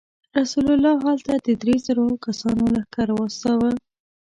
رسول الله هلته د درې زرو کسانو لښکر واستاوه.